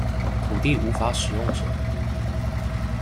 土地無法使用者